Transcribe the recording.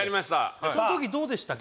その時どうでしたっけ？